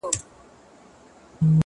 د کندهار ماځيگره، ستا خبر نه راځي~